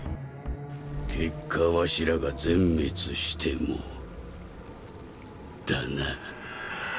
結果わしらが全滅してもだな。